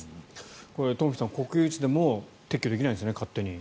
これ、東輝さん国有地でも撤去できないんですね、勝手に。